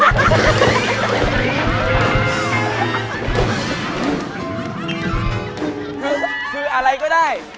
คืออะไรก็ได้